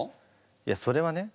いやそれはね